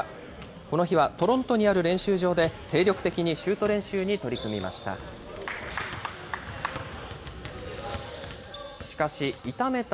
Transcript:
この日は、トロントにある練習場で、精力的にシュート練習に取り組みました。